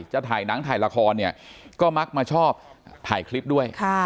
จะถ่ายหนังถ่ายละครเนี่ยก็มักมาชอบถ่ายคลิปด้วย